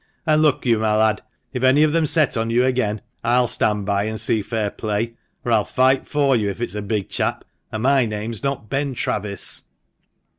An' look you, my lad, if any of them set on you again, I'll stand by and see fair play ; or I'll fight for you if it's a big chap, or my name's not Ben Travis."